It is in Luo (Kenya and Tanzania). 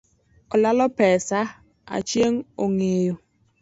Olalo pesa Achieng ongeyo